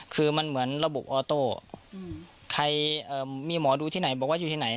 คือมันเหมือนระบบออโต้ใครมีหมอดูที่ไหนบอกว่าอยู่ที่ไหน